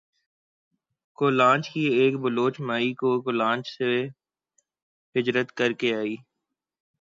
کولانچ کی ایک بلوچ مائی جو کولانچ سے ھجرت کر کے